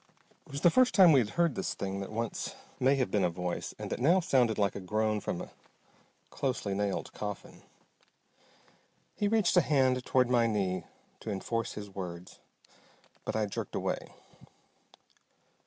It was the first time we had heard this thing that once may have been a voice and that now sounded like a groan from a closely nailed coffin. He reached a hand toward my knee to enforce his words, but I jerked away.